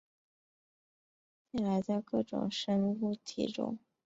近来在各种生物体中表征蛋白质的工作已经揭示了锌离子在多肽稳定中的重要性。